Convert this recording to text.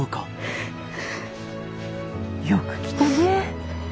よく来たね。